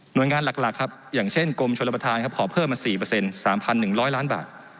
โดยงานหลักครับอย่างเช่นกรมชนประธานครับขอเพิ่มมา๔๓๑๐๐ล้านบาท